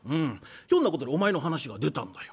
ひょんなことでお前の話が出たんだよ。